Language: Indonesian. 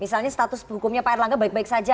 misalnya status hukumnya pak erlangga baik baik saja